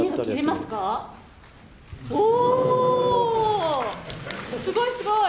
すごい、すごい。